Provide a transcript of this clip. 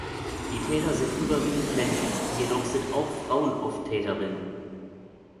Die Täter sind überwiegend männlich, jedoch sind auch Frauen oft Täterinnen.